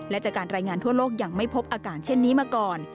และจากการรายงานทั่วโลกยังไม่พบอาการเช่นนี้มาก่อน